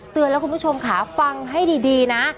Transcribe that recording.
เตือนแล้วคุณผู้ชมค่ะฟังให้ดีนะ